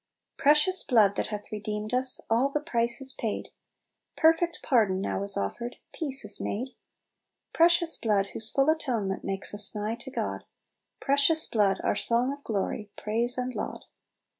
"Precious blood that hath redeemed us, All the price is paid ! Perfect pardon now is offered, Peace is made. * Precious blood, whose full atonement Makes us nigh to God ! Precious blood, our song of glory, Praise and laud